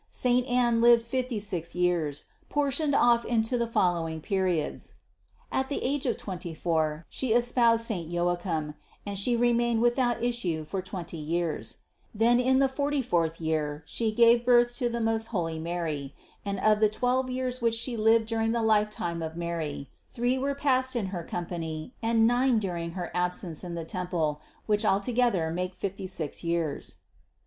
Saint Anne lived fifty six years, portioned off into the following periods; at the age of twenty four she espoused saint Joachim and she remained without issue for twenty years ; then in the forty fourth year she gave birth to the most holy Mary, and of the twelve years which she lived during the lifetime of Mary, three were passed in her company and nine during her absence in the temple, which altogether make fifty six years.